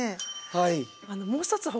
はい。